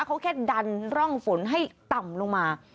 เขาแค่ดันร่องฝนให้ต่ำลงมา